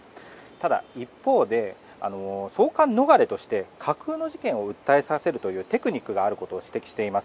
ただ一方で送還逃れとして架空の事件を訴えさせるというテクニックがあることを指摘しています。